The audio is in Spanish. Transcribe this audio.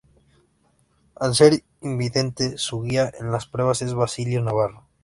Al ser invidente, su guía en las pruebas es Basilio Navarro.